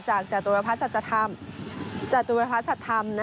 จากจัตุวภาพสัตว์ธรรม